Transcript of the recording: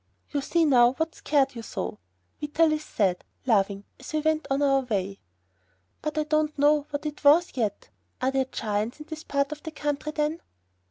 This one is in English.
"You see now what scared you so," Vitalis said, laughing, as we went on our way. "But I don't know what it is, yet. Are there giants in this part of the country, then?"